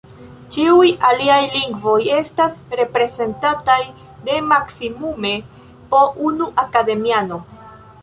Ĉiuj aliaj lingvoj estas reprezentataj de maksimume po unu akademiano.